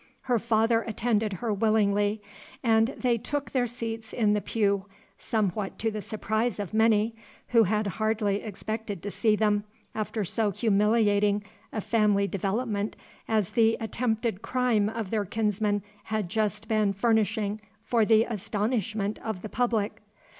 Her father attended her willingly; and they took their seats in the pew, somewhat to the surprise of many, who had hardly expected to see them, after so humiliating a family development as the attempted crime of their kinsman had just been furnishing for the astonishment of the public.